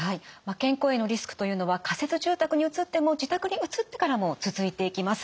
健康へのリスクというのは仮設住宅に移っても自宅に移ってからも続いていきます。